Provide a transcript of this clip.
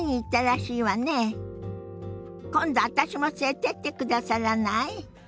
今度私も連れてってくださらない？